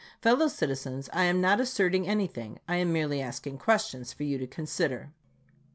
Fellow citizens, I am not asserting anything; I am merely asking questions for you to consider.